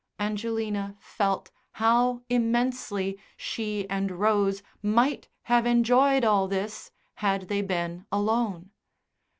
Angelina felt how immensely she and Rose might have enjoyed all this had they been alone.